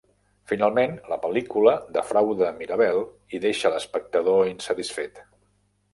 Finalment, la pel·lícula defrauda Mirabelle i deixa l'espectador insatisfet.